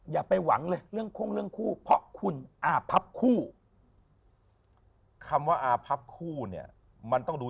อย่าไปหวังเลยเรื่องโค้งเรื่องคู่เพราะคุณอาพับคู่คำว่าอาพับคู่เนี่ยมันต้องดู